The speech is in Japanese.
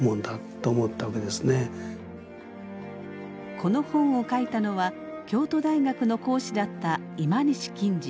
この本を書いたのは京都大学の講師だった今西錦司。